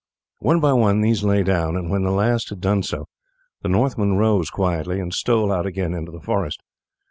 One by one these lay down, and when the last had done so the Northman rose quietly and stole out again into the forest.